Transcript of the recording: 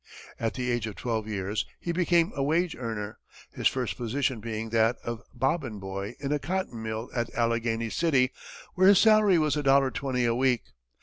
At the age of twelve years, he became a wage earner, his first position being that of bobbin boy in a cotton mill at Alleghany City, where his salary was $1.20 a week.